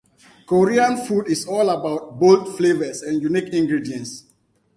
Korean food is all about bold flavors and unique ingredients.